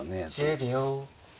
１０秒。